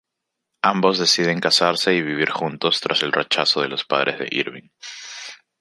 Ambos deciden casarse y vivir juntos, tras el rechazo de los padres de Irving.